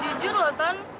jujur loh ton